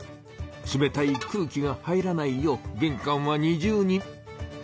冷たい空気が入らないよう玄関は二重に。